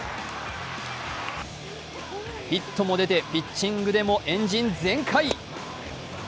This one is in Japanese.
ヒットも出てピッチングでもエンジン全開。